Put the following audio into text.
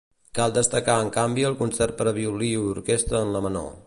Cal destacar en canvi el Concert per a violí i orquestra en la menor.